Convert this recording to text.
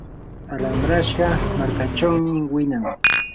ramrashqa markaachawmi winan.